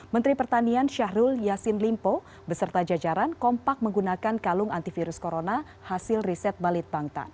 menteri pertanian syahrul yassin limpo beserta jajaran kompak menggunakan kalung antivirus corona hasil riset balit bangtan